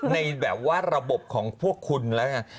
ในแบบว่าระบบของพวกคุณแล้วไง